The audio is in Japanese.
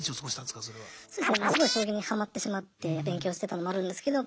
すごい将棋にハマってしまって勉強してたのもあるんですけど